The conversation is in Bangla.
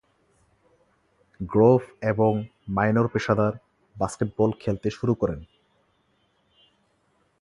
গ্রোভ এবং মাইনর পেশাদার বাস্কেটবল খেলতে শুরু করেন।